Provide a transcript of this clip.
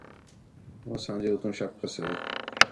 ہو اساں جے اُتّوں شَک کسے